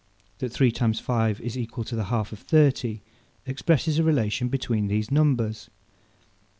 That three times five is equal to the half of thirty, expresses a relation between these numbers.